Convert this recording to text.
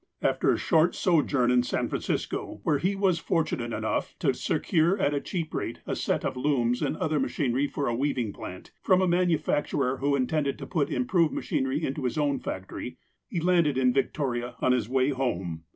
After a short sojourn in San Francisco, where he was fortunate enough to secure, at a cheap rate, a set of looms and other machinery for a weaving plant, from a manufacturer who intended to put imj)roved machinery into his own factory, he landed in Victoria on his way home.